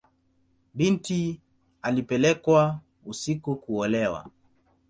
Binti alipelekwa usiku kuolewa.